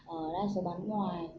ở đây sẽ bán ngoài